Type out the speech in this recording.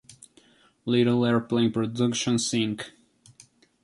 Little Airplane Productions, Inc.